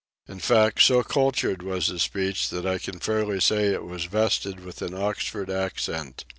In fact, so cultured was his speech that I can fairly say it was vested with an Oxford accent.